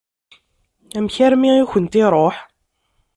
Amek armi i kent-iṛuḥ?